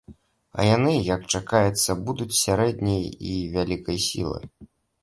А яны, як чакаецца, будуць сярэдняй і вялікай сілы.